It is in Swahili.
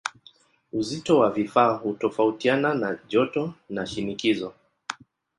Uzito wa vifaa hutofautiana na joto na shinikizo.